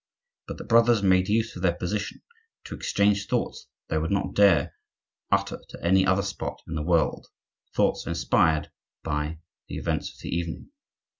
But the brothers made use of their position to exchange thoughts they would not dare to utter on any other spot in the world,—thoughts inspired by the events of the evening.